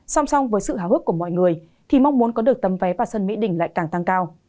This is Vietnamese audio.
song song với sự hào hức của mọi người thì mong muốn có được tấm vé vào sân mỹ đình lại càng tăng cao